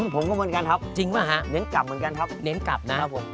ผมก็เหมือนกันครับจริงป่ะฮะเน้นกลับเหมือนกันครับเน้นกลับนะครับผม